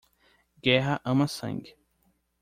Guerra ama sangue.